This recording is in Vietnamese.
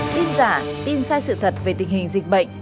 tin giả tin sai sự thật về tình hình dịch bệnh